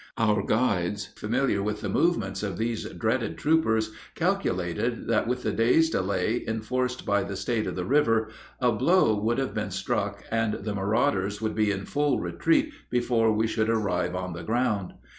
Our guides, familiar with the movements of these dreaded troopers, calculated that with the day's delay enforced by the state of the river a blow would have been struck and the marauders would be in full retreat before we should arrive on the ground.